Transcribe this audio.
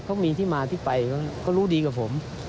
เขามีที่มาที่ไปเขารู้ดีกับผม